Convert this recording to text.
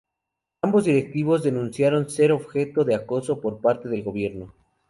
Ambos directivos denunciaron ser objeto de acoso por parte del Gobierno.